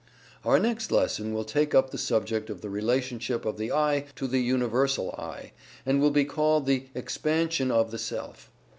Our next lesson will take up the subject of the relationship of the "I" to the Universal "I," and will be called the "Expansion of the Self."